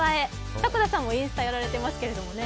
迫田さんもインスタやられていますけどね。